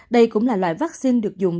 đây cũng là loại vắc xin được dùng